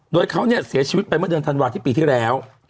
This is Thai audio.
โดยเขาเนี่ยเสียชีวิตไปเมื่อเดือนธันวาที่ปีที่แล้ว